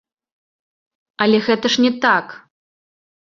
Але гэта ж не так.